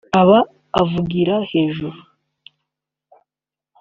aba avugira hejuru